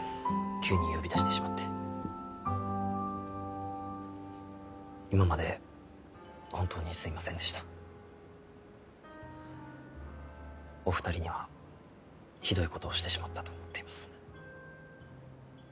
急に呼び出してしまって今まで本当にすいませんでしたお二人にはひどいことをしてしまったと思っています